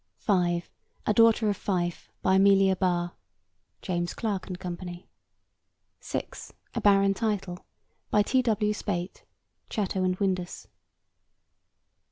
(5) A Daughter of Fife. By Amelia Barr. (James Clarke and Co.) (6) A Barren Title. By T. W. Speight. (Chatto and Windus.)